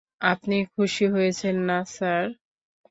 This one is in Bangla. আপনি খুশি হয়েছেন না, স্যার?